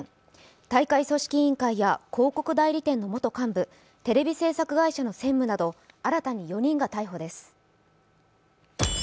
大会組織委員会や広告代理店の幹部、テレビ制作会社の専務など新たに４人が逮捕です。